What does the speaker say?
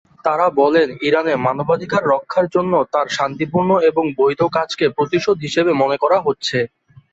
তারা বলেন, ইরানে মানবাধিকার রক্ষার জন্য তার শান্তিপূর্ণ এবং বৈধ কাজকে প্রতিশোধ হিসেবে মনে করা হচ্ছে।